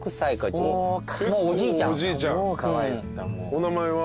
お名前は？